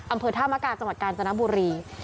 อำเภอธ่าแม่หนากาลจังหวัดกานจาธานบุรี